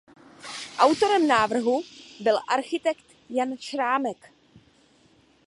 Autorem návrhu byl architekt Jan Šrámek.